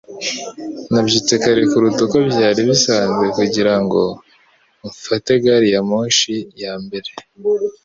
Nabyutse kare kuruta uko byari bisanzwe kugira ngo mfate gari ya moshi ya mbere.